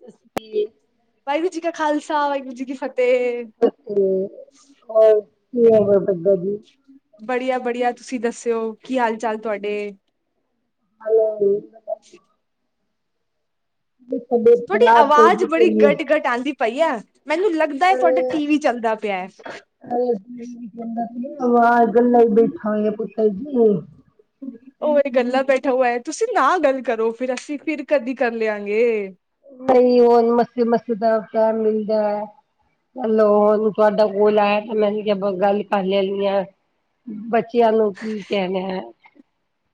ਸਸਤੀ ਵਾਹਿਗੁਰੂ ਜੀ ਕਾ ਖਾਲਸਾ, ਵਾਹਿਗੁਰੂ ਜੀ ਕੀ ਫਤਿਹ। ਹੂੰ, ਹੋਰ ਕੀ [unintelligible] ਬੜੀਆ-ਬੜੀਆ, ਤੁਸੀ ਦੱਸਿਓ ਕੀ ਹਾਲ-ਚਾਲ ਤੁਹਾਡੇ? ਹੈਲੋ। ਦੇ [unintelligible] ਤੁਹਾਡੀ ਆਵਾਜ਼ ਬੜੀ ਗੱਟ-ਗਟ ਆਂਦੀ ਪਈ ਆ, ਮੈਨੂੰ ਲੱਗਦਾ ਤੁਹਾਡਾ ਟੀਵੀ ਚੱਲਦਾ ਪਿਆ। ਹੈ ਟੀਵੀ ਵੀ ਚੱਲਦਾ ਪਿਆ, ਗੱਲਾ ਈ ਬੈਠਾ ਹੋਇਆ, ਪੁੱਤਰ ਜੀ। ਉਹ ਇਹ ਗੱਲਾ ਬੈਠਾ ਹੋਇਆ ਏ, ਤੁਸੀਂ ਨਾ ਗੱਲ ਕਰੋ, ਫਿਰ ਅਸੀਂ ਫਿਰ ਕਦੀ ਕਰ ਲਿਆਂਗੇ। ਨਹੀਂ ਉਹ ਮਸਤੀ-ਮਸਤੀ ਦਾ ਟਾਈਮ ਮਿਲਦੈ ਚਲੋ ਹੁਨ, ਤੁਹਾਡਾ ਕੌਲ ਆਇਆ, ਮੈਂਨੇ ਕਿਹਾ ਗੱਲ ਕਰ ਲੈਨੀ ਆ ਬੱਚ ਬੱਚਿਆਂ ਨੂੰ ਕੀ ਕਹਿਣਾ,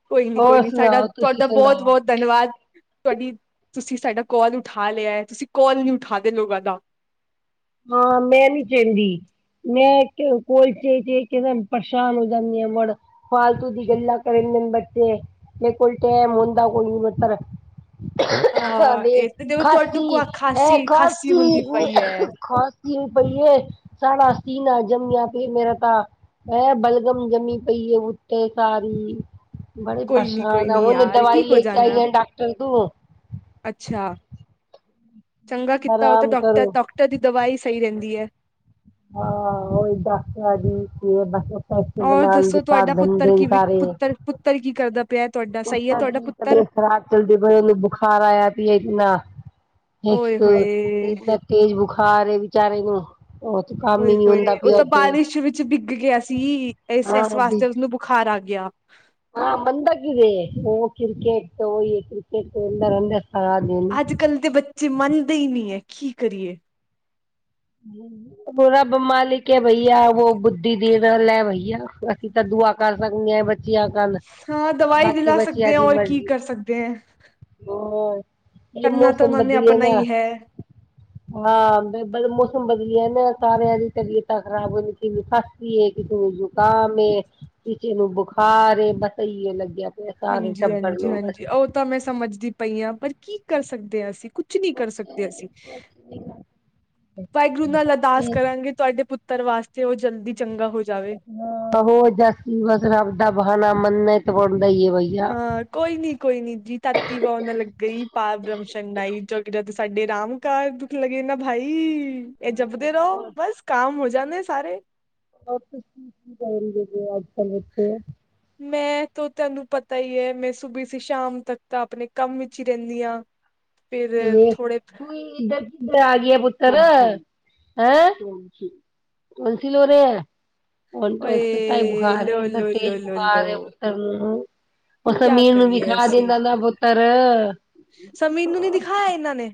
ਕੋਈ ਨੀ ਕੋਈ ਹੋਰ ਨੀ ਸਾਡਾ ਸੁਣਾਓ, ਤੁਸੀਂ ਤੁਹਾਡਾ ਬਹੁਤ ਸੁਣਾਓ? ਬਹੁਤ ਧੰਨਵਾਦ! ਤੁਹਾਡੀ, ਤੁਸੀਂ ਸਾਡਾ ਕੋਲ ਉਠਾ ਲਿਆ ਹੈ, ਤੁਸੀਂ ਕੋਲ ਨਹੀਂ ਉਠਾਦੇ ਲੋਗਾਂ ਦਾ। ਹਾਂ, ਮੈਂ ਨੀ ਕੇਂਦੀ- ਮੈਂ, ਕੋਈ ਚੇ, ਚੇ ਦੇਖਕੇ, ਪਰੇਸ਼ਾਨ ਹੋ ਜਾਂਨੀ ਹਾਂ, ਮੁੜ ਫਾਲਤੂ ਦੀ ਗਲਾਂ ਕਰਨ ਦੇਨ ਬੱਚੇ, ਜੇ ਕੋਈ ਟਾਇਮ ਹੁੰਦਾ ਕੋਈ ਨੀ ਪੁੱਤਰ ਅਹ ਇਹ ਤੇ ਦੇਖੋ ਤੁਹਾਡੇ ਖਾਂਸੀ, ਕੋ ਐ ਖਾਂਸੀ ਖਾਂਸੀ ਖਾਸੀ ਹੁੰਦੀ ਪਈ ਹੈ ਖਾਂਸੀ ਵੀ ਪਈ ਏ, ਸਾਰਾ ਸੀਨਾ ਜੰਮਿਆ ਪਿਆਈ, ਮੇਰਾ ਤਾਂ। ਐ, ਬਲਗਮ ਜੰਮੀ ਪਈ ਏ, ਉਤੇੇ ਸਾਰੀ। ਬੜੇ ਕੋਈ ਨੀ ਕੋਈ ਪਰੇਸ਼ਾਨ ਆ, ਨੀ ਹੁਨੀ ਯਾਰ ਦਵਾਈ ਠੀਕ ਹੋ ਲੇਕੇ ਆਂਈ ਜਾਣਾ ਆ, ਡਾਕਟਰ ਤੋਂ। ਅੱਛਾ। ਚੰਗਾ ਕੀਤਾ, ਉਹ ਤਾ, ਆਰਾਮ ਡੌਕਟਰ, ਕਰੋ ਡੌਕਟਰ ਦੀ ਦਵਾਈ ਸਹੀ ਰਹਿੰਦੀ ਐ। ਹਾ, ਓਹੀ ਡਾਕਟਰਾਂ ਦੀ, [unintelligible] ਸ ਔਰ ਬਣਾਣ ਦੱਸੋ ਦੇ ਕਰ ਤੁਹਾਡਾ ਪੁੱਤਰ ਦਿੰਦੇਨ ਕੀ ਵੀ ਸਾਰੇ, ਪੁੱਤਰ ਪੁੱਤਰ ਕੀ ਕਰਦਾ ਪਿਆ ਤੁਹਾਡਾ ਓ ਸਹੀ ਹੈ ਤੁਹਾਡਾ ਸਾਡੀ ਪੁੱਤਰ ਤਬੀਅਤ ਖਰਾ ਚਲਦੇ ਪਏ ਉਹਨੂੰ ਬੁਖਾਰ ਆਇਆ, ਪਈ ਏ ਨਾ ਓਏ ਹੋਏ ਵੀਕ੍ਸ ਤੇਜ਼ ਬੁਖਾਰ ਏ ਵਿਚਾਰੇ ਨੂੰ। ਉਹ ਤੇ ਕੰਮ ਓਏ, ਹੀ ਨਹੀਂ ਹੋਏ ਹੁੰਦਾ ਉਹ ਪਿਆ ਤਾ ਉੱਥੇ ਬਾਰਿਸ਼ ਵਿੱਚ ਬਿੱਗ ਗਿਆ ਸੀ, ਇਸ-ਇਸ ਹਾਂ ਵੀ ਵਾਸਤੇ, ਉਸਨੂੰ ਬੁਖਾਰ ਆਗਿਆ। ਹਾਂ, ਮੰਨਦਾ ਕਿਦੇ, ਓ ਕ੍ਰਿਕੇਟ ਤੇ, ਓਈ ਕ੍ਰਿਕੇਟ ਖੇਲਦਾ ਰਹਿੰਦਾ। ਹਾਜੀ ਅੱਜ-ਕੱਲ ਦੇ ਬੱਚੇ ਮੰਨਦੇ ਹੀ ਨਹੀਂ ਏ, ਕੀ ਕਰੀਏ? ਵੋ ਰਬ ਮਾਲਿਕ ਐ ਭਈਆ, ਉਹ ਬੁੱਧੀ ਦੇ ਦਵੇ ਭਈਆ। ਅਸੀ ਤਾਂ ਦੁਆ ਕਰ ਸਕਦੇ ਹਾਂ, ਬੱਚਿਆਂ ਕੰਨ ਹਾਂ, ਦਵਾਈ ਬਾਕੀ ਦਿਲਾ ਬੱਚਿਆਂ ਸਕਦੇ ਓ, ਦੀ ਔਰ ਕੀ ਮਰਜ਼ੀ ਕਰ ਸਕਦੇ ਐਂ। ਹੋਰ ਇਹ ਕਰਨਾ ਤਾ ਮੌਸਮ ਉਹਨਾ ਨੇ, ਬਦਲੀਏ ਆਪਣਾ ਨਾ ਹੀ ਹੈ। ਹਾਂ, ਮੌਸਮ ਬਦਲੀਆ ਨਾ ਸਾਰਿਆਂ ਦੀ ਤਬੀਅਤਾਂ ਖ਼ਰਾਬ ਹੋਰੀ ਸੀ ਕਿਸੇ ਨੂੰ ਜ਼ੁਕਾਮ, ਕਿਸੇ ਨੂੰ ਬੁਖਾਰ ਏ ਬਸ ਇਹੀ ਐ ਲੱਗਿਆ। ਪਿਆ ਸਾਰੇ ਹਾਂਜੀ- ਟੱਬਰ ਹਾਂਜੀ, ਨੂੰ ਬਸ ਹਾਂਜੀ ਉਹ ਤਾਂ ਮੈਂ ਸਮਝਦੀ ਪਈ ਹਾਂ, ਪਰ ਕੀ ਕਰ ਸਕਦੇ ਹਾਂ ਅਸੀਂ ਕੁਛ ਨਹੀਂ ਕਰ ਸਕਦੇ ਅਸੀਂ, ਕੁਛ ਨੀ ਵਾਹਿਗੁਰੂ ਨਾਲ ਅਰਦਾਸ ਕਰਾਂਗੇ ਤੁਹਾਡੇ ਪੁੱਤਰ ਪੁੱਤਰ ਵਾਸਤੇ ਉਹ ਜਲਦੀ ਚੰਗਾ ਹੋ ਜਾਵੇ। ਆਹੋ ਜਾਸੀ ਬਸ ਰੱਬ ਦਾ ਬਹਾਣਾ ਮੰਨਣਾ ਤੇ ਬਣਦਾ ਹੀ ਏ ਬਈਆ ਹਾਂ ਕੋਈ ਨੀ, ਕੋਈ ਨੀ ਜੀ ਤਤੀ ਵਾਹ ਨਾ ਲੱਗਈ ਪਾਰ ਬ੍ਰਹਮਸਰਣਾਹੀ ਜਗ ਜਦ ਸਾਡੇ ਰਾਮ ਘਰ ਦੁੱਖ ਲੱਗੇ ਨਾ ਭਾਈ ਇਹ ਜਪਦੇ ਰਹੋ ਹੋਰ ਬਸ ਕਾਮ ਹੋ ਜਾਣੇ ਸਾਰੇ। ਬਸ ਕੀ-ਕੀ ਕਰ ਰਹੇ ਅਜ ਕੱਲ- ਬੱਚੇ ਮੈਂ ਤ ਤੁਹਾਨੂੰ ਪਤਾ ਹੀ ਹੈ ਮੈਂ ਸੁਬੇ ਸੀ ਸ਼ਾਮ ਤੱਕ ਤਾਂ ਆਪਣੇ ਕੰਮ ਵਿੱਚ ਹੀ ਰਹਿੰਦੀ ਹਾਂ ਫਿਰ ਥੋੜੇ ਤੂੰ ਇੱਧਰ ਕਿੱਧਰ ਆ ਗਈ ਆ ਪੁੱਤਰ, ਹੈਂ? ਟੋਨਸਿਲ ਹੋ ਰਿਹਾ, ਹੁਣ ਉਸ ਤੇਜ ਓਏ ਬੁਖਾਰ ਹੈ ਲੋ ਇਧਰ ਲੋ ਲੋ ਤੇਜ਼ ਲੋ ਲੋ ਬੁਖਾਰ ਓ ਕਿਆ ਸਮੀਰ ਨੂੰ ਕਰੀਏ ਵੀਖਾ ਦਿੰਦਾ ਨਾ ਪੁੱਤਰ ਅ। ਸਮੀਰ ਨੂੰ ਨੀ ਦਿਖਾਏ ਇਨਾਂ ਨੇ?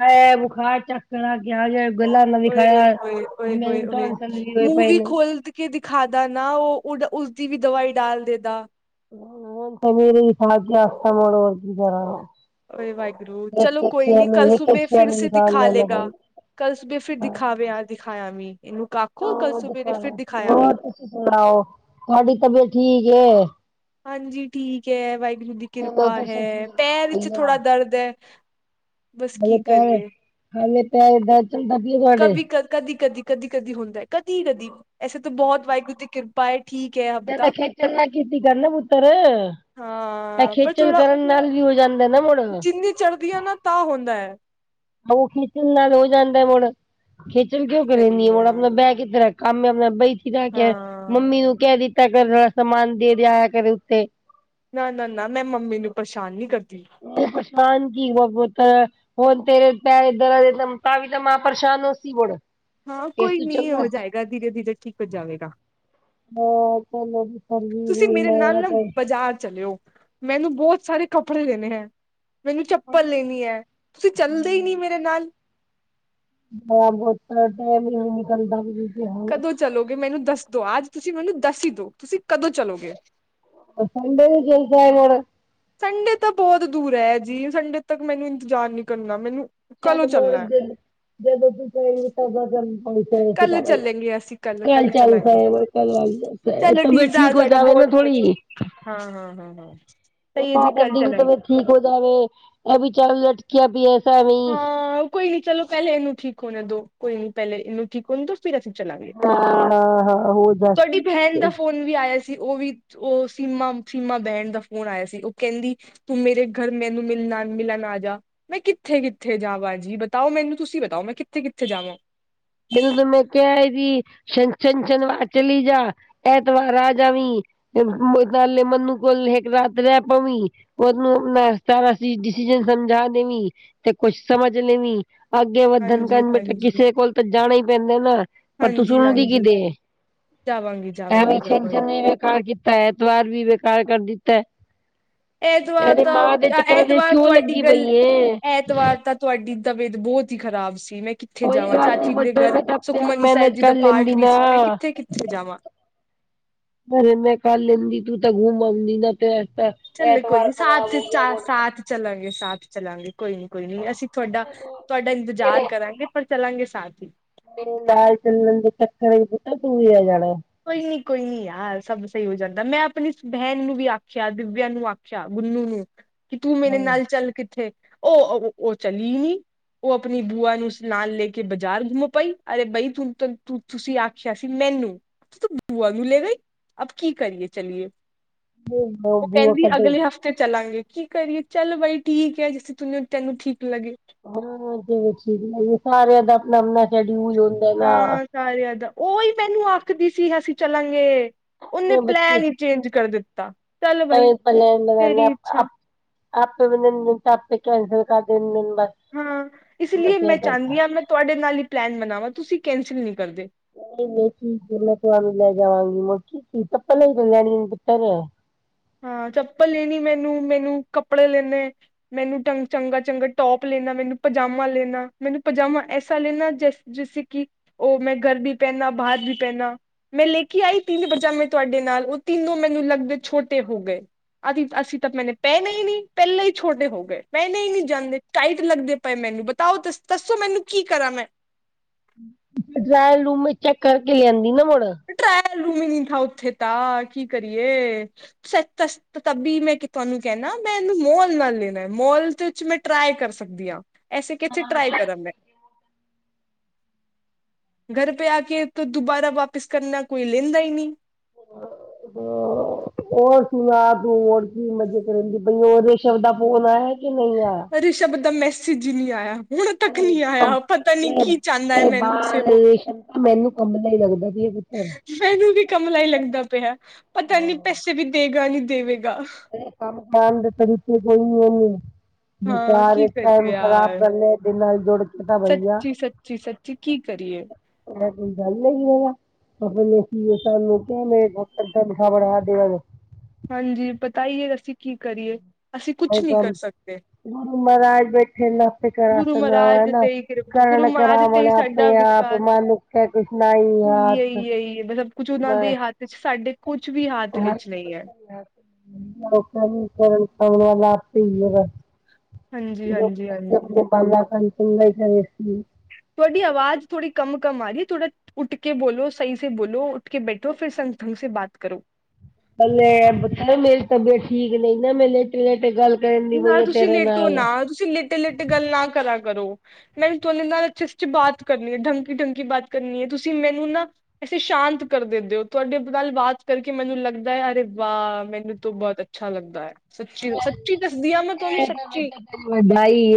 ਮੈਂ ਬੁਖਾਰ ਚੱਕ ਕਰ ਆ ਗਿਆ ਜ ਗੱਲਾਂ ਨਾ ਓਏ ਵਿਖਾਇਆ, ਹੋਏ ਓਏ ਮੈਨੂੰ ਢੋਣਸੱਲ ਵੀ ਹੋਏ ਪਏ ਨੇ। ਕੇਦਿ ਖਾਦਾ ਨਾ ਓ ਉਡ ਉਸਦੀ ਵੀ ਦਵਾਈ ਡਾਲ ਦੇਦਾ। ਉਹ ਸਮੀਰ ਈ ਲਿੱਖਣ ਲਗਿਆ। ਇਸ ਤੋਂ ਵੱਧ ਹੋਰ ਕੀ ਕਰਾ। ਓਏ ਵਾਹਿਗੁਰੂ, ਚਲੋ ਕੋਈ ਨੀ ਕੱਲ ਇੱਕ ਇੱਕ ਸੁਬੇ ਸ਼ੇਰ ਫਿਰ ਨੂੰ ਸੇ ਵਿਖਾਣ ਦਿਖਾ ਜਾਣਾ ਲੇਗਾ। ਪਊ ਕੱਲ ਸੁਬੇ ਫਿਰ ਦਿਖਾਵ ਦਿਖਾਇਆ ਵੀ, ਇਹਨੂੰ ਕਾਕੋ ਕੱਲ ਸੁਬੇ ਨੇ ਫਿਰ ਦਿਖਾਇਆ ਵੀ ਤੁਸੀ ਸੁਣਾਓ, ਤੁਹਾਡੀ ਤਬੀਅਤ ਠੀਕ ਐ? ਹਾਂਜੀ ਠੀਕ ਹੈ, ਵਾਹਿਗੁਰੂ ਦੀ ਚਲੋ ਕਿਰਪਾ ਤੁਸੀਂ ਹੈ, ਠੀਕ ਪੈਰ ਰਹੋ ਵਿੱਚ ਥੋੜਾ ਦਰਦ ਹੈ ਬਸ ਹੇ ਕੀ ਪੈਰ ਕਰੀਏ ਹੇ ਪੈਰ ਦਰਜ ਦਬ ਕਭੀ ਕ ਕਦੀ- ਕਦੀ, ਕਦੀ- ਕਦੀ ਹੁੰਦਾ, ਕਦੀ- ਕਦੀ ਐਸੇ ਤਾਂ ਬਹੁਤ ਵਾਹਿਗੁਰੂ ਦੀ ਕਿਰਪਾ ਪਾਏ ਠੀਕ ਹੈ ਅਬ ਜਿਆਦਾ ਤਾਂ ਖੇਚਲ ਨਾ ਕੀਤੀ ਕਰਨਾ ਪੁੱਤਰ ਅ ਹਾਂ ਪਰ ਖੇਚਲ ਥੋੜਾ ਕਰਨ ਨਾਲ ਵੀ ਹੋ ਜਾਂਦਾ ਨਾ ਮੁੜ ਜਿੰਨੀ ਚੜ੍ਹਦੀ ਆ ਨਾ ਤਾਂ ਹੁੰਦਾ ਹੈ ਉਹ ਖੇਚਲ ਨਾਲ ਹੋ ਜਾਂਦਾ ਮੁੜ, ਖੇਚਲ ਕਿਉਂ ਕੀ ਕਰਨੀ ਆ ਕਰੀਏ ਮੁੜ ਯਾਰ ਆਪਣਾ ਬੈਗ ਇਧਰ ਰਖ ਕੰਮ ਆਪਣਾ ਬੈਠੀ ਰਾਂ ਕੇ, ਹਾਂ ਮੰਮੀ ਨੂੰ ਕਹਿ ਦਿੱਤਾ ਕਰ ਸਮਾਨ ਦੇ ਦਿਆਇਆ ਕਰੇ ਉੱਤੇ। ਨਾ ਨਾ ਨਾ, ਮੈਂ ਮੰਮੀ ਨੂੰ ਪਰੇਸ਼ਾਨ ਨੀ ਕਰਦੀ। ਪਛਤਾਨ ਕੀ ਬਹੁ ਬਹੁਤ। ਹੁਣ ਤੇਰੇ ਪੈਧਰ ਤ ਵੀ ਤਾਂ ਮਾਂ ਪਰੇਸ਼ਾਨ ਹੋ ਸੀ ਬੜ ਹਾਂ ਕੋਈ ਨੀ ਹੋ ਜਾਏਗਾ, ਧੀਰੇ- ਧੀਰੇ ਠੀਕ ਹੋ ਜਾਵੇਗਾ ਚਲੋ ਪੁੱਤਰ ਜੀ ਤੁਸੀਂ ਹੁਣ ਮੇਰੇ ਨਾਲ ਮੈਂ ਨਾ ਤੇ ਬਾਜ਼ਾਰ ਚਲਿਓ। ਮੈਨੂੰ ਬਹੁਤ ਸਾਰੇ ਕੱਪੜੇ ਲੇਣੇ ਹੈ ਮੈਨੂੰ ਚੱਪਲ ਲੈਣੀ ਹੈ, ਤੁਸੀ ਚੱਲਦੇ ਹੀ ਨਹੀ ਮੇਰੇ ਨਾਲ। ਮ [unintelligible] ਬੁਤ ਟੇਮ ਹੀ ਨੀ ਨਿਕਲਦਾ ਵੀ। ਜੀ ਕਦੋਂ ਹਾਂ ਚਲੋਗੇ ਮੈਨੂੰ ਦੱਸਦੋ ਅੱਜ ਤੁਸੀਂ ਮੈਨੂੰ ਦੱਸ ਹੀ ਦੋ ਤੁਸੀਂ ਕਦੋਂ ਚਲੋਗੇ ਸੰਡੇ ਵੀ ਜਾਈਦਾ ਹੈ ਮੁੜ ਸੰਡੇ ਤਾਂ ਬਹੁਤ ਦੂਰ ਹੈ ਜੀ, ਸੰਡੇ ਤੱਕ ਮੈਨੂੰ ਇੰਤਜ਼ਾਰ ਨਹੀਂ ਕਰਨਾ ਮੈਨੂੰ ਕੱਲੋਂ ਚੱਲ ਮੋੜ ਚੱਲਣਾ ਹੈ। ਦਿਨ, ਜਦੋਂ ਤੂੰ ਕਹੇਗੀ ਨ ਪ ਸੀ ਕੱਲ ਤਾਂ ਭ ਚੱਲੇਗੇ ਅਸੀਂ ਕੱਲ ਚਾਲੂ ਚਲਾਂਗੇ ਸ ਕੱਲ ਵ ਜਾ [unintelligible] ਇਹ ਤਬੀਅਤ ਠੀਕ ਹੋ ਜਾਵੇ ਨਾ ਥੋੜੀ। ਹਾਂ, ਹਾਂ, ਹਾਂ, ਹਾਂ। ਮਾਂ ਪੁੱਤ ਦੀ ਵੀ ਤਬੀਅਤ ਠੀਕ ਹੋ ਜਾਵੇ, ਅਭੀ ਚੱਲ ਲਟਕਿਆ ਵੀ ਐਸਾ ਵੀ ਹਾਂ ਕੋਈ ਨੀ ਚਲੋ ਪਹਿਲੇ ਇਹਨੂੰ ਠੀਕ ਹੋਣ ਦੋ ਕੋਈ ਨੀ ਪਹਿਲੇ ਇਹਨੂੰ ਠੀਕ ਹੋਣ ਦੋ ਫਿਰ ਅਸੀਂ ਚਲਾਗੇ। ਹਾਂ ਹਾਂ ਹਾਂ ਹੋ ਤੁਆਡੀ ਭੈਣ ਦਾ ਜਾ ਫੋਨ ਫੋਨ ਵੀ ਆਇਆ ਸੀ, ਉਹ ਵੀ ਉਹ ਸੀਮਾ ਸੀਮਾ ਬਹਿਣ ਦਾ ਫੋਨ ਆਇਆ ਸੀ। ਉਹ ਕਹਿੰਦੀ ਤੂੰ ਮੇਰੇ ਘਰ ਮੈਨੂੰ ਮਿਲਣਾ, ਮਿਲਣ ਆ ਜਾ ਮੈਂ ਕਿੱਥੇ -ਕਿੱਥੇ ਜਾਵਾਂ ਜੀ ਬਤਾਓ ਮੈਨੂੰ, ਤੁਸੀਂ ਬਤਾਓ ਮੈਂ ਕਿੱਥੇ-ਕਿੱਥੇ ਜਾਵਾਂ। ਜਦੋ ਮੈਂ ਕਿਹਾ ਏ ਵੀ ਛੰਨਛੰਨ ਵਾ ਚਲੀ ਜਾ ਐਤਵਾਰ ਆ ਜਾ ਵੀ ਤਾਂ ਮਨੂੰ ਕੋਲ ਰਾਤ ਰਹਿ ਪਵ [unintelligible] ਉਹਨੂੰ ਮੈਂ ਸਾਰਾਸੀ ਡਿਸੀਜਨ ਸਮਝਾ ਦੇਵੀ ਤੇ ਕੁਛ ਸਮਝ ਲਵੀ ਅੱਗੇ ਵੱਧਨ ਕਰਨ ਬੇਠੇ ਹਾਂਜੀ-ਹਾਂਜੀ, ਕਿਸੇ ਕੋਲ ਤਾਂ ਜਾਣਾ ਹੀ ਪੈਂਦੇ ਨਾ ਪਰ ਤੂੰ ਸੁਣ ਦੀ ਕਿ ਹਾਂਜੀ-ਹਾਂਜੀ ਦੇ ਐੱ ਜਾਵਾਂਗੀ-ਜਾਵਾਂਗੀ-ਜਾਵਾਂਗੀ। ਬੇਕਾਰ ਕੀਤਾ, ਐਤਵਾਰ ਵੀ ਬੇਕਾਰ ਕਰ ਦਿੱਤਾ ਐਤਵਾਰ ਇਹਦੇ ਤਾਂ, ਮਾਂ ਦੇ ਚੱਕਰਾਂ ਚ ਐਤਵਾਰ ਕਿਉਂ ਤੁਹਾਡੀ ਲੱਗੀ ਗੱਲ, ਪਈ ਏ ਐਤਵਾਰ ਤਾਂ ਤੁਹਾਡੀ ਤਬੀਅਤ ਬਹੁਤ ਹੀ ਖਰਾਬ ਸੀ, ਮੈਂ ਕਿੱਥੇ ਕੋਈ ਜਾਵਾਂ ਗੱਲ ਨੀ ਚਾਚੀ ਦੇ ਬਚਪਨ ਘਰ ਮੈਂ ਤਾਂ ਆਪਣੇ ਆਪ ਸੁਖਮਨੀ ਸਾਹਿਬ ਮੈਨੇਜ ਜੀ ਦਾ ਕਰ ਪਾਠ ਲੈਂਦੀ ਵੀ ਸੀ ਮੈਂ ਨਾ ਕਿੱਥੇ- ਕਿੱਥੇ ਜਾਵਾਂ ਪਰ ਮੈਂ ਕਰ ਲੈਂਦੀ ਤੂੰ ਤਾਂ ਘੁੰਮ ਆਉਂਦੀ ਨਾ ਤੇ ਤਾਂ ਚੱਲੇ ਕੋਈ ਨੀ, ਸਾਤ ਚ ਚਾਰ ਸਾਤ ਚੱਲਾਂਗੇ ਸਾਥ ਚੱਲਾਂਗੇ, ਕੋਈ ਨੀ-ਕੋਈ ਨੀ, ਅਸੀਂ ਥੋਡਾ ਤੁਹਾਡਾ ਇੰਤਜ਼ਾਰ ਕਰਾਂਗੇ। ਪਰ ਚੱਲਾਂਗੇ ਸਾਥ ਹੀ। ਇਹ ਨਾਲ ਚੱਲਣ ਦੇ ਚੱਕਰ ਚ, ਪੁਤਾ ਤੂੰ ਵੀ ਆ ਜਾਣਾ। ਕੋਈ ਨੀ ਕੋਈ ਨੀ ਯਾਰ ਸਭ ਸਈ ਹੋ ਜਾਂਦਾ। ਮੈਂ ਆਪਣੀ ਬਹਿਣ ਨੂੰ ਵੀ ਆਖਿਆ ਦਿਬਿਆਂ ਨੂੰ ਆਖਿਆ ਗੁੰਨੂ ਨੂੰ। ਕਿ ਤੂੰ ਮੇਰੇ ਨਾਲ ਚੱਲ ਕਿੱਥੇ, ਉਹ- ਉਹ ਚਲੀ ਈ ਨੀ। ਉਹ ਆਪਣੀ ਬੂਆ ਨੂੰ ਨਾਲ ਲੈ ਕੇ ਬਾਜ਼ਾਰ ਗੁੰਮ ਪਈ, ਅਰੇ ਬਈ ਤੂੰ ਤ ਤੁਸੀ ਆਖਿਆ ਸੀ ਮੈਨੂੰ। ਤੂ ਬੂਆ ਨੂੰ ਲੇ ਗਈ, ਅਬ ਕੀ ਕਰੀਏ ਚਲੀਏ। ਓ ਬੂਆ ਕੇਂਦੀ ਕੱਢੇ ਅਗਲੇ ਹਫ਼ ਤੇ ਚਲਾਂਗੇ, ਕੀ ਕਰੀਏ ਚੱਲ ਬਾਈ ਠੀਕ ਐ, ਜੈਸੇ ਤਾਨੂੰ ਤੈਨੂੰ ਠੀਕ ਲੱਗੇ। ਹਾਂ ਜਿਵੇਂ ਠੀਕ ਐ, ਸਾਰਿਆਂ ਦਾ ਆਪਣਾ-ਆਪਣਾ ਸ਼ਡਿਊਲ ਹੁੰਦਾ ਗਾ। ਹਾਂ ਸਾਰਿਆਂ ਦਾ, ਉਹੀ ਮੈਨੂੰ ਆਖਦੀ ਸੀ ਅਸੀਂ ਚਲਾਂਗੇ, ਉਹਨੇ ਆਪਣੇ ਪਲੈਨ ਈ ਚੇਂਜ ਕਰ ਦਿੱਤਾ। ਚੱਲ ਬਾਈ ਨਵੇਂ ਪਲੈਨ ਬਣਾਂਦੇ ਤੇਰੀ ਇੱਛਾ ਆਪੇ, ਬ ਆਪੇ ਕੈਂਸਲ ਕਰ ਦਿੰਦੇ ਨੇ ਬਸ। ਹਾਂ ਇਸ ਲਈ ਬਚਿਆ ਮੈਂ ਚਾਂਹਦੀ ਪੈਸਾ ਹਾਂ, ਮੈਂ ਤੁਹਾਡੇ ਨਾਲ ਹੀ ਪਲੈਨ ਬਣਾਵਾਂ, ਤੁਸੀਂ ਕੈਂਸਲ ਨੀ ਕਰਦੇ। ਨਹੀਂ-ਨਹੀਂ ਮੈਂ ਤੁਹਾਨੂੰ ਲੈ ਜਾਵਾਂਗੀ, ਮੋਚੀ ਚਪਲ ਹੀ ਲੈਣੀ ਐ ਪੁੱਤਰ। ਹਾਂ ਚੱਪਲ ਲੈਣੀ ਮੈਨੂੰ, ਮੈਨੂੰ ਕੱਪੜੇ ਲੈਣੇ। ਮੈਨੂੰ ਚੰਗਾ-ਚੰਗਾ ਟੌਪ ਲੈਣਾ, ਮੈਨੂੰ ਪਜਾਮਾ ਲੈਣਾ, ਮੈਨੂੰ ਪਜਾਮਾ ਐਸਾ ਲੈਣਾ ਜੈਸ ਜਿਸੇ ਕਿ ਉਹ ਮੈਂ ਘਰ ਵੀ ਪਹਿਨਾ, ਬਾਹਰ ਵੀ ਪਹਿਨਾ। ਮੈਂ ਲੇ ਕੇ ਆਈ ਤਿੰਨ ਪਜਾਮੇ ਤੁਹਾਡੇ ਨਾਲ, ਉਹ ਤਿੰਨੋ ਮੈਨੂੰ ਲੱਗਦੇ ਛੋਟੇ ਹੋ ਗਏ। ਅਸੀ ਅਸੀ ਤਾਂ ਮੈਨੇ ਪਹਿਣੇ ਹੀ ਨਈ। ਪੈਲਾ ਹੀ ਛੋਟੇ ਹੋ ਗਏ, ਪਹਿਣੇ ਹੀ ਨਈ ਜਾਂਦੇ। ਟਾਈਟ ਲੱਗਦੇ ਪਏ ਮੈਨੂੰ, ਬਤਾਓ ਦੱਸੋ ਮੈਨੂੰ ਕੀ ਕਰਾਂ ਮੈਂ। [unintelligible] ਡਰਾਇਗ ਰੂਮ ਚੈੱਕ ਕਰਕੇ ਲਿਆਂਦੀ ਨਾ ਮੁੜ। ਟਰਾਇਲ ਰੂਮ ਹੀ ਨੀ ਥਾ ਉੱਥੇ ਤਾਂ, ਕੀ ਕਰੀਏ ਸ ਤੇ ਤਭੀ ਮੈਂ ਤੁਹਾਨੂੰ ਕਹਿਣਾ, ਮੈਂ ਇਹਨੂੰ ਮੋਲ ਨਾਲ ਲੈਣਾ, ਮੋਲ ਦੇ ਵਿੱਚ ਮੈਂ ਟਰਾਈ ਕਰ ਸਕਦੀ ਆਂ। ਐਸੇ ਕਿਥੇ ਟਰਾਈ ਕਰਾਂ ਮੈਂ। ਘਰ ਪੇ ਆ ਕੇ ਦੁਬਾਰਾ ਵਾਪਿਸ ਕਰਨਾ, ਕੋਈ ਲੈਂਦਾ ਈ ਨੀ। [inaudible] ਹੋਰ ਸੁਣਾ ਤੂੰ, ਹੋਰ ਕੀ ਮਜ਼ੇ ਕਰੇਂਦੀ ਪਈ ਏ, ਉਹ ਰੇਸ਼ਵ ਦਾ ਫੋਨ ਆਇਆ ਈ। ਕਿ ਨਹੀਂ ਆਇਆ। ਰਿਸ਼ਬ ਦਾ ਮੈਸੇਜ ਈ ਨੀ ਆਇਆ ਹੁਣ ਤੱਕ ਨੀ ਆਇਆ, ਪਤਾ ਨੀ ਇਹ ਕੀ ਚਾਨਾ ਏ ਇਹ ਮੈਂਨੂੰ ਸੇ ਬਾਹਰ ਬੋ? ਰੇਸ਼ਮ ਮੈਨੂੰ ਕਮਲਾ ਹੀ ਲੱਗਦਾ ਸੀ, ਇਹ ਪੁੱਤਰ। ਮੈਨੂੰ ਵੀ ਕਮਲਾ ਹੀ ਲੱਗਦਾ ਪਿਆ, ਪਤਾ ਨੀ ਹਾਂ ਪੈਸੇ ਵੀ ਦੇਗਾ ਨਈ ਦੇਵੇਗਾ। ਕੰਮ ਕਰਨ ਦੇ ਤਰੀਕੇ ਕੋਈ ਇਹ ਨੀ, ਹਾਂ ਬੇਕਾਰ ਕੀ ਕਰੀਏ ਟੈਮ ਖ਼ਰਾਬ ਯਾਰ ਕਰਨੇ ਦੇ ਨਾਲ ਜੋੜ ਸੱਚੀ, ਸੱਚੀ, ਸੱਚੀ ਕੀ ਕਰੀਏ? ਕਹਿੰਦਾ ਕੋਈ ਗੱਲ ਹੈਗੀ ਓਹ ਲੈ। ਆਪਣੇ ਸੀ ਸਾਨੂੰ ਕ ਮੇ ਲਾ [inaudible] ਬਣਾ ਦੇ। ਹਾਂਜੀ ਪਤਾ ਹੀ ਐ, ਅਸੀਂ ਕੀ ਕਰੀਏ, ਅਸੀਂ ਕੁਛ ਨਹੀਂ ਕਰ ਸਕਦੇ। ਗੁਰੂ ਮਹਾਰਾਜ ਬੈਠੇ ਨਫ਼ ਗੁਰੂ ਕਰਸ ਨਾ ਮਹਾਰਾਜ ਹੈ, ਨਾ ਤੇ ਹੀ ਕਿਰਪ ਗੁਰੂ ਕਰਣ ਮਹਾਰਾਜ ਤੇ ਹੀ ਕਰਾਵਣਾ ਤੂੰ ਸਾਡਾ ਆਪ ਵਿਕਾਸ ਮਨੁੱਖਿਆ ਤੂੰ ਸੁਣਾ ਹੀ ਆਪ ਕੁਝ ਉਨਾਂ ਦੇ ਹੱਥ ਚ, ਸਾਡੇ ਕੁਛ ਵੀ ਹਾਥ ਇਚ ਨਹੀ ਐ। ਲੋਕਾਂ ਨੂੰ ਕਰਨ ਸਉਣਾ [unintelligible] ਲੱ ਹੀ ਆ ਵਾ ਹਾਂਜੀ ਹਾਂਜੀ ਹਾਂਜੀ [inaudible] ਤੁਹਾਡੀ ਆਵਾਜ਼ ਥੋੜ੍ਹੀ ਕਮ-ਕਮ ਆ ਰਹੀ ਐ, ਥੋੜਾ ਉੱਠ ਕੇ ਬੋਲੋ, ਸਹੀ ਸੇ ਬੋਲੋ। ਉੱਠ ਕੇ ਬੈਠੋ, ਫਿਰ ਸੰਗ ਢੰਗ ਸੇ ਬਾਤ ਕਰੋ। ਪਹਿਲੇ ਮੇਰੀ ਤਬੀਅਤ ਠੀਕ ਨਹੀਂ ਨਾ, ਮੈਂ ਲੇਟੇ-ਲੇਟੇ ਗੱਲ ਨਾ ਤੁਸੀ ਲੇਟੋ ਨਾ, ਤੁਸੀ ਲੇਟੇ-ਲੇਟੇ ਗੱਲ ਨਾ ਕਰਾ ਕਰੋ। ਮੈਨੂੰ ਤੁਨੇ ਨਾਲ ਜਸਟ ਬਾਤ ਕਰਨੀ ਐ, ਢੰਗ ਕੀ ਢੰਗ ਕੀ ਬਾਤ ਕਰਨੀ ਐ, ਤੁਸੀਂ ਮੈਨੂੰ ਨਾ ਤੁਸੀਂ ਸ਼ਾਂਤ ਕਰ ਦਿੰਦੇ ਹੋ, ਤੁਹਾਡੇ ਨਾਲ ਬਾਤ ਕਰਕੇ ਮੈਨੂੰ ਲੱਗਦਾ ਅਰੇ ਵਾਹ, ਮੈਨੂੰ ਤੋ ਬਹੁਤ ਅੱ ਅੱਛਾ ਲੱਗਦਾ ਐ। ਸੱਚੀ ਸੱਚ ਇਹ ਐਥੇ ਬੈਠੇ ਬਾਈ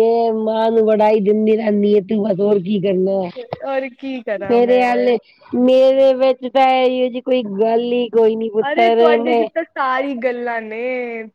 ਮਾਂ ਨੂੰ ਵਡਾਈ ਦਿੰਦੀ ਰਹਿੰਦੀ ਹੈ, ਤੂੰ ਬਸ ਹੋਰ ਕੀ ਕਰਨਾ ਐ, ਔਰ ਕੀ ਕਰਾਂ ਮੇਰੇ ਮੈਂ ਆਲੇ ਮੇਰੇ ਵਿੱਚ ਤਾਂ ਇਹੀ ਜਿਹੀ ਕੋਈ ਗੱਲ ਹੀ ਕੋਈ ਨੀ ਅਰੇ ਪੁੱਤਰ, ਤੁਹਾਡੇ ਚ ਮੈਂ ਤਾਂ ਸਾਰੀ ਗੱਲਾਂ ਨੇ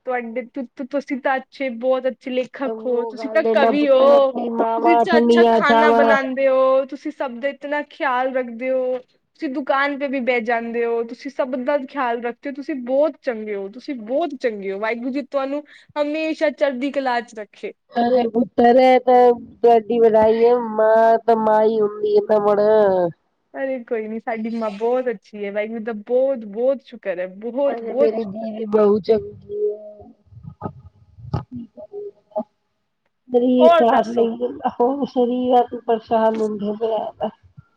ਤੁਹਾਡੇ ਤੋਂ, ਤੁਸੀਂ ਤਾਂ ਅੱਛੇ ਬਹੁਤ ਅੱ ਤੁਸੀਂ ਲੇਖਕ ਹੋ, ਉਹ ਤੁਸੀਂ ਤਾਂ ਗੱਲ ਨਾ ਕਵੀ ਪੁੱਤਰ ਹੋ, ਆਪਣੀ ਤੁਸੀਂ ਮਾਵਾਂ ਅੱਛਾ ਠੰਡੀਆਂ ਖਾਣਾ ਛਾਵਾਂ ਬਣਾਂ ਦੇ ਹੋ, ਤੁਸੀਂ ਸਭ ਦਾ ਇਤਨਾ ਖਿਆਲ ਰੱਖਦੇ ਹੋ। ਤੁਸੀਂ ਦੁਕਾਨ ਤੇੇ ਵੀ ਬਹਿ ਜਾਂਦੇ ਹੋ, ਤੁਸੀਂ ਸਭ ਦਾ ਖਿਆਲ ਰੱਖਦੇ ਹੋ, ਤੁਸੀਂ ਬਹੁਤ ਚੰਗੇ ਹੋ, ਤੁਸੀਂ ਬਹੁਤ ਚੰਗੇ ਹੋ, ਵਾਹਿਗੁਰੂ ਜੀ ਤੁਹਾਨੂੰ ਹਮੇਸ਼ਾ ਚੜ੍ਹਦੀ ਕਲਾ ਚ ਰੱਖੇ। ਅਰੇ ਪੁੱਤਰਰੇ ਤਾਂ ਤੁਡੀ ਵੜਾਈ ਹੈ ਮਾਂ ਤਾਂ ਮਾਂ ਹੀ ਹੁੰਦੀ ਇਹਨਾ ਮੁੜ ਅਰੇ ਕੋਈ ਨੀ ਸਾਡੀ ਮਾਂ ਬਹੁਤ ਅੱਛੀ ਏ ਵਾਹਿੂ ਤਾਂ ਬਹੁਤ ਬਹੁਤ ਸ਼ੁ ਕਰ ਬ ਮੇਰੀ ਧੀ ਵੀ ਬਹੁ ਚਗਗੀਈ ਦਰੀ ਔਰ ਸਾਥ ਦੱਸੋ ਨਹੀਂ ਜਾਂਦਾ ਹੋਰ ਸਰੀਰਾਂ ਤ ਪਰੇਸ਼ਾਨ ਹੁੰਦੇ ਹੋ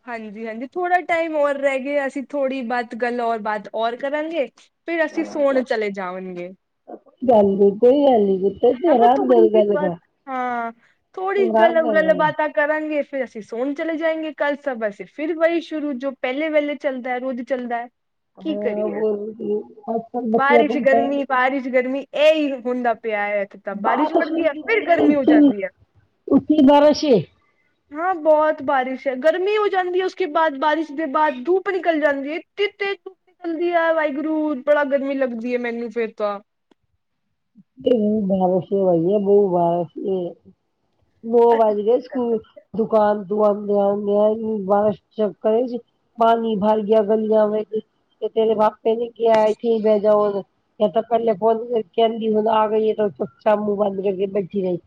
ਹਾਂਜੀ ਹਾਂਜੀ ਥੋੜਾ ਟਾਈਮ ਔਰ ਰਹਿ ਗਏ ਅਸੀਂ ਥੋੜ੍ਹੀ ਬਹੁਤ ਗੱਲ ਔਰ ਬਾਤ ਔਰ ਕਰਾਂਗੇ ਫਿਰ ਅਸੀਂ ਸੋਣ ਚਲੇ ਜਾਵਾਂਗੇ ਗੱਲ ਨ ਕੋਈ ਗੱਲ ਨੀ ਤੂੰ ਆਰਾਮ ਥੋੜੀ ਨਾਲ ਗੱਲ ਜਿਹੀਤ ਕਰ ਹਾਂ ਥੋੜ੍ਹੀ ਤੂੰ ਗਲ ਆਰਾਮ ਨਾਲ ਗਲ ਗੱਲ ਕਰ ਬਾਤਾਂ ਕਰਾਂਗੇ ਫੇਰ ਅਸੀਂ ਸੋਨ ਚਲੇ ਜਾਏਗੇ ਕੱਲ ਸਭ ਅੇ ਫਿਰ ਵਹੀ ਸ਼ੁਰੂ ਜੋ ਪਹਿਲੇ ਵੇਲੇ ਚੱਲਦਾ ਰੋਜ਼ ਚੱਲਦਾ ਹੈ ਕੀ ਕਰੀਏ ਹਾਂ ਬਾਰਿਸ਼ ਗਰਮੀ ਬਾਰਿਸ਼ ਗਰਮੀ ਇਹਹੀ ਹੁੰਦਾ ਪਿਆ ਹੈ। ਤਾਂ ਬਾਰਿਸ਼ ਪੜਦੀ ਹੈ ਫਿਰ ਗਰਮੀ ਹੋ ਜਾਂਦੀ ਹੈ ਹਾਂ ਬਹੁਤ ਬਾਰਿਸ਼ ਹੈ। ਗਰਮੀ ਹੋ ਜਾਂਦੀ ਹੈ ਉਸਕੇ ਬਾਅਦ ਬਾਰਿਸ਼ ਦੇ ਬਾਅਦ ਧੂਪ ਨਿਕਲ ਜਾਂਦੀ ਹੈ ਇ ਤੇਜ਼ ਧੂਪ ਚਲਦੀ ਹੈ ਵਾਹਿਗੁਰੂ ਬੜਾ ਗਰਮੀ ਲੱਗਦੀ ਹੈ ਮੈਨੂੰ ਫੇਰ ਤਾਂ ਬਾਰਸ ਭਾਈਏ ਬਹੁ ਬਾਰਸ ਮੋ ਵੱਜਦੇ ਸਕੂਲ ਦੁਕਾਨ ਦ ਆਉਂਦੇ ਆਉਂ ਬਾਰਸ਼ ਕਰੇ ਪਾਣੀ ਭਰ ਗਿਆ ਗਲੀਆਂ ਵਿੱਚ ਤੇ ਤੇਰੇ ਬਾਪੇ ਨੇ ਕਿਹਾ ਥੀ ਬੈ ਜਾ ਤਾਂੱਕੇ ਫੋਨ ਹੁਣ ਆ ਗਈ ਹੈ ਤਾਂ ਚਚਾ ਮੁੂੰਹ ਬੰਦ ਰ ਕੇ ਬੈਠੀ ਰਹੀ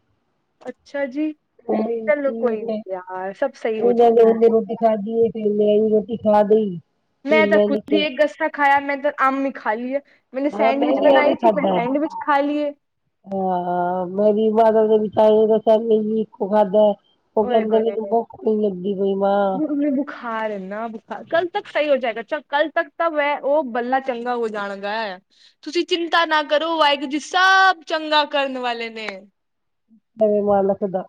ਅੱਛਾ ਜੀ ਠੀਕ ਹੈ ਇਹ ਗੱਲੇ ਰੋਟੀ ਖਾਧ ਹੈ। ਮੇਰੀ ਰੋਟੀ ਖਾ ਦੇਈ ਮੈਂ ਤਾਂ ਖੁਦ ਹੀ ਇੱਕ ਗਸਾ ਖਾਇਆ ਮੈਂ ਤਾਂ ਆਮ ਨ ਖਾ ਲਈ ਹੈ। ਮੈਨੇ ਹਾਂ ਮੈਂ ਸੈਂਡਵਿਚ ਵੀ ਬਣਾਈ ਐਵੇਂ ਸੀ ਫਿਰ ਖਾਧਾ ਹੈ। ਸੈਂਡਵਿਚ ਖਾ ਲਈਏ ਹਾਂ ਮੇਰੀ ਬਾਦਲ ਦੇ ਵਿੱਚ ਤਾਂਏ ਦੱਸ ਨਹੀਂ ਵੀ ਇੱਕੋ ਖਾਧਾ ਉਹ ਕਹਿੰਦੇ ਮੈਨੂੰ ਭੁੱਖ ਨਹੀਂ ਲੱਗਦੀ ਵੀ ਮਾਂ ਬੁਖਾਰ ਨਾ ਬੁਖਾਰ ਕੱਲ ਤੱਕ ਸਹੀ ਹੋ ਜਾਏਗਾ ਅੱਛਾ ਕੱਲ ਤੱਕ ਤਾਂ ਵੈ ਉਹ ਬੱਲਾ ਚੰਗਾ ਹੋ ਜਾਣਗਾ ਤੁਸੀਂ ਚਿੰਤਾ ਨਾ ਕਰੋ ਵਾਹਿਗੁਰੂ ਜੀ ਸਭ ਚੰਗਾ ਕਰਨ ਵਾਲੇ ਨੇ ਸ਼ੁਕਰ ਮਾਲਕ ਦਾ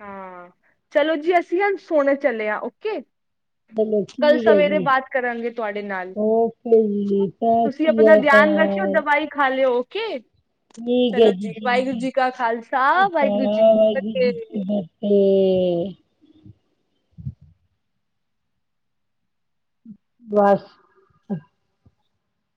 ਹਾਂ ਚਲੋ ਜੀ ਅਸੀਂ ਹ ਸੋਨ ਚੱਲੇ ਹਾਂ ਓਕੇ ਚਲੋ ਕੱਲ ਠੀਕ ਹੈ ਸਵੇਰੇ ਜੀ ਬਾਤ ਕਰਾਂਗੇ ਤੁਹਾਡੇ ਨਾਲ ਓਕੇ ਜੀ ਸਤਿ ਤੁਸੀਂ ਤੁਸੀਂ ਸ੍ਰੀ ਆਪਣਾ ਧਿਆਨ ਰੱਖਿਓ ਅਕਾਲ। ਦਵਾਈ ਖਾ ਲਿਓ ਓਕੇ ਠੀਕ ਹੈ ਚਲੋ ਜੀ ਵਾਹਿਗੁਰੂ ਜੀ ਕਾ ਖਾਲਸਾ ਠੀਕ ਵਾਹਿਗੁਰੂ ਜੀ ਕੀ ਫਤਿਹ ਹੈ???? ਬਸ